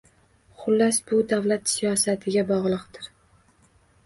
Xullas, bu davlat siyosatiga bogʻliqdir.